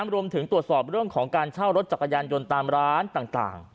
รวมถึงตรวจสอบเรื่องของการเช่ารถจักรยานยนต์ตามร้านต่าง